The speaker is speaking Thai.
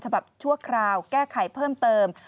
ชั่วคราวแก้ไขเพิ่มเติม